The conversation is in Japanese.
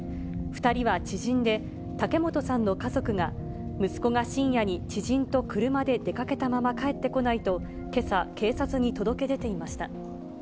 ２人は知人で、竹本さんの家族が、息子が深夜に知人と車で出かけたまま帰ってこないと、けさ、警察に届け出ていました。